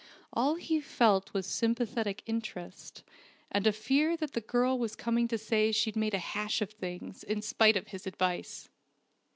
All he felt was sympathetic interest, and a fear that the girl was coming to say she'd made a hash of things, in spite of his advice.